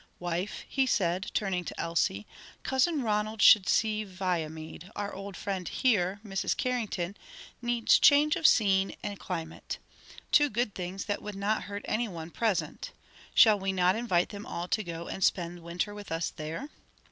"Wife," he said, turning to Elsie, "Cousin Ronald should see Viamede: our old friend here, Mrs. Carrington, needs change of scene and climate; two good things that would not hurt any one present: shall we not invite them all to go and spend the winter with us there?"